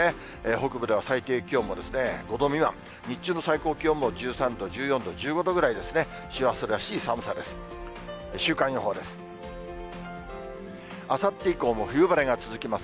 北部では最低気温も５度未満、日中の最高気温も１３度、１４度、１５度ぐらいですね、師走らしい寒さです。